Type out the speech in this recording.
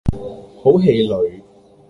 好氣餒